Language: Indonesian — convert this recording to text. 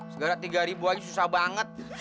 sekarang tiga ribu aja susah banget